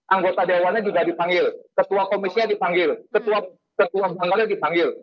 anggota dewan juga dipanggil ketua komisnya dipanggil ketua bangkalnya dipanggil